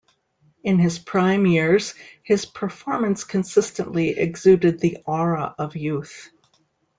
In his prime years his performance consistently exuded the aura of youth.